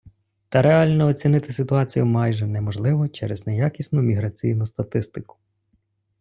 Та реально оцінити ситуацію майже неможливо через неякісну міграційну статистику.